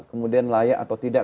kemudian layak atau tidak